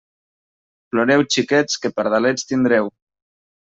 Ploreu, xiquets, que pardalets tindreu.